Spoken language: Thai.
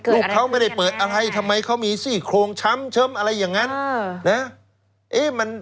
ลูกเขาไม่ได้เปิดอะไรทำไมเขามีซี่โครงช้ำอะไรอย่างนั้นนะ